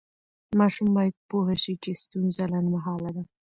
ماشوم باید پوه شي چې ستونزه لنډمهاله ده.